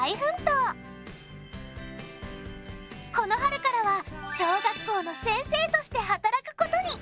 この春からは小学校の先生として働くことに！